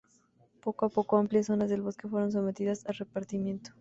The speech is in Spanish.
Poco a poco, amplias zonas del bosque fueron sometidas a repartimiento.